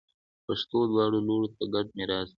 پښتو دواړو لورو ته ګډ میراث دی.